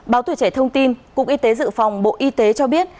báo tùy trẻ thông tin cục y tế dự phòng bộ y tế cho biết